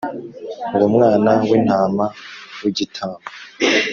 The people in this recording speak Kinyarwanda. Uwo mwana w intama w igitambo